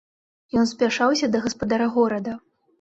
Ён спяшаўся да гаспадара горада.